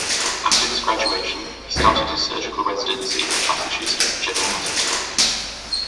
After his graduation, he started his surgical residency at Massachusetts General Hospital.